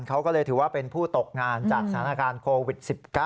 เขาก็เลยถือว่าเป็นผู้ตกงานจากสถานการณ์โควิด๑๙